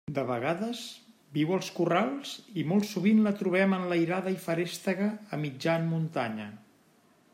De vegades viu als corrals i molt sovint la trobem enlairada i feréstega a mitjan muntanya.